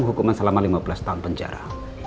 hukuman selama lima belas tahun penjara